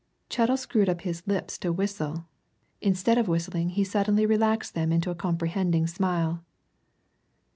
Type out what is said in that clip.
Chettle screwed his lips up to whistle instead of whistling he suddenly relaxed them to a comprehending smile.